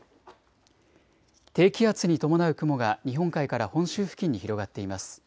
低気圧に伴う雲が日本海から本州付近に広がっています。